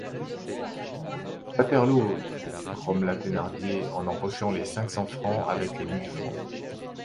Waterloo! grommela Thénardier, en empochant les cinq cents francs avec les mille francs.